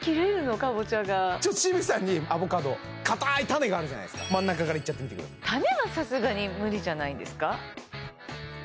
かぼちゃが紫吹さんにアボカドかたい種があるじゃないですか真ん中からいっちゃってみてください種はさすがに無理じゃないですか？